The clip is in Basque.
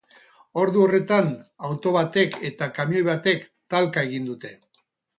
Ordu horretan, auto batek eta kamioi batek talka egin dute.